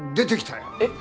えっ！？